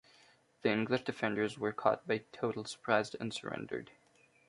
The English defenders were caught by total surprise and surrendered.